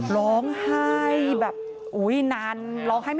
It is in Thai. ร้องให้